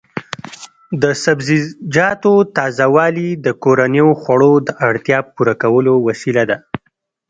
د سبزیجاتو تازه والي د کورنیو خوړو د اړتیا پوره کولو وسیله ده.